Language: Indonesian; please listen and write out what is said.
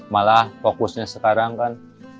malah fokusnya sekarang kan